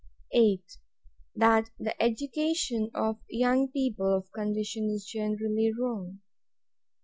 8. That the education of young people of condition is generally wrong.